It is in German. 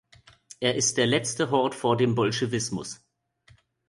Er ist der letzte Hort vor dem Bolschewismus.